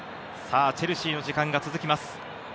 チェルシーの時間が続きます。